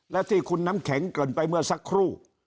และที่คุณน้ำแข็งเกินไปเมื่อสักครู่